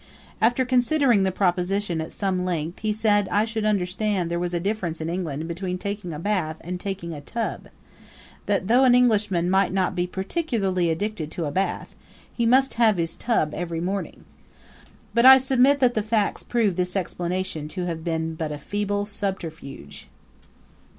After considering the proposition at some length he said I should understand there was a difference in England between taking a bath and taking a tub that, though an Englishman might not be particularly addicted to a bath, he must have his tub every morning. But I submit that the facts prove this explanation to have been but a feeble subterfuge.